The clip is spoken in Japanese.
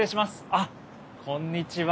あっこんにちは。